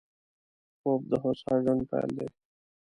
خوب د هوسا ژوند پيل دی